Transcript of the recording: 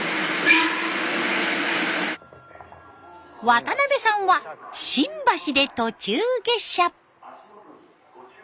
渡辺さんは新橋で途中下車。